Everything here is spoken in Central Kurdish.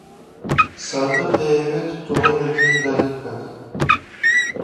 سادق دەیەوێت تۆڵەی مردنی براکەی بکاتەوە.